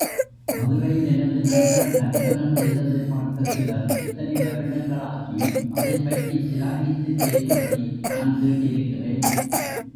மதுரையில் எனது நண்பர் நர்த்தனம் செய்ததைப் பார்த்த சிலர் இத்தனை வருடங்களாகியும், அதைப்பற்றிச் சிலாகித்துப் பேசுவதை நான் கேட்டிருக்கிறேன்.